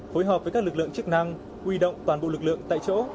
phối hợp với các lực lượng chức năng huy động toàn bộ lực lượng tại chỗ